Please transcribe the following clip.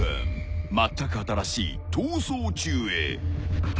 ［まったく新しい『逃走中』へ！］